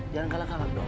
jangan kalah kalah dong